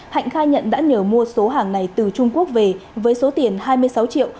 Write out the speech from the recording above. hạnh khai nhận đã nhờ mua số hàng này từ trung quốc về với số tiền hai mươi sáu triệu